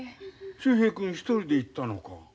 秀平君一人で行ったのか。